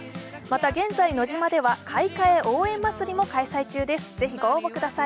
また、現在ノジマでは「買い替え応援祭」も開催中です。